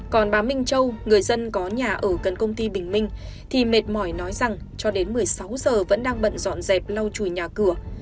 còn bà minh châu người dân có nhà ở cần công ty bình minh thì mệt mỏi nói rằng cho đến một mươi sáu giờ vẫn đang bận dọn dẹp lau chùi nhà cửa